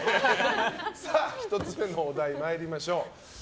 １つ目のお題に参りましょう。